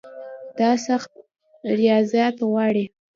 دا سخت ریاضت غواړي.